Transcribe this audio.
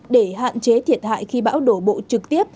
để hạn chế thiệt hại khi bão đổ bộ trực tiếp